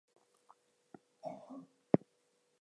The four winners of the first round go to the semifinal round.